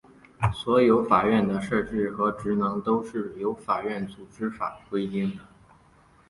所有法院的设置和职能都是由法院组织法规定的。